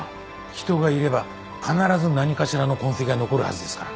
人がいれば必ず何かしらの痕跡が残るはずですから。